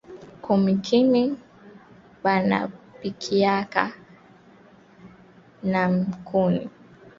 Kumikini banapikiaka na nkuni